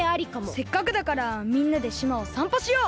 せっかくだからみんなでしまをさんぽしよう！